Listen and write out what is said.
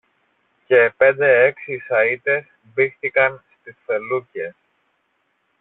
και πέντε-έξι σαίτες μπήχθηκαν στις φελούκες